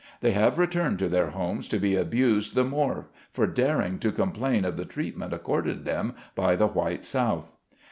They have returned to their homes to be abused the more for daring to complain of the treatment accorded them by the white South.